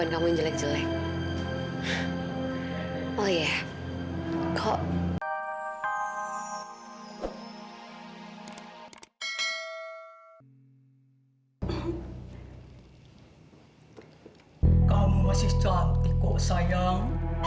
kamu masih cantik kok sayang